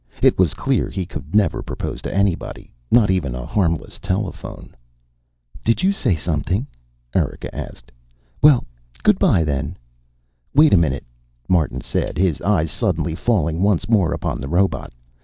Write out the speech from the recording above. It was clear he could never propose to anybody, not even a harmless telephone. "Did you say something?" Erika asked. "Well, good bye then." "Wait a minute," Martin said, his eyes suddenly falling once more upon the robot.